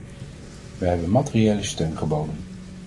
Wij hebben materiële steun geboden.